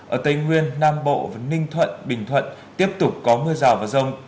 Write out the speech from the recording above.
ở tây nguyên nam bộ và ninh thuận bình thuận tiếp tục có mưa rào và rông